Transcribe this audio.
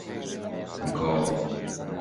An Cabhán